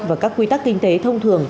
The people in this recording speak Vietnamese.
và các quy tắc kinh tế thông thường